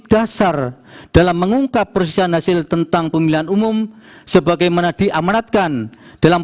dasar dalam mengungkap persisian hasil tentang pemilihan umum sebagaimana diamanatkan dalam